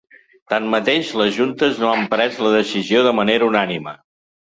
Tanmateix, les juntes no han pres la decisió de manera unànime.